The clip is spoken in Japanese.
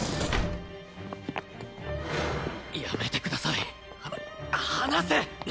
やめてください！ははなせ！